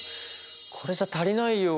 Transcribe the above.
これじゃ足りないよ。